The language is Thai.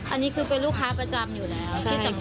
อันนี้คือเป็นลูกค้าประจำอยู่แล้วที่สำคัญ